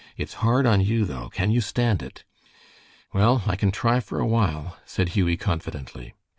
"It's hard on you, though. Can you stand it?" "Well, I can try for a while," said Hughie, confidently.